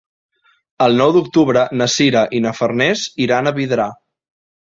El nou d'octubre na Sira i na Farners iran a Vidrà.